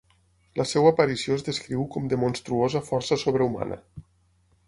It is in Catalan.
La seua aparició es descriu com de monstruosa força sobrehumana.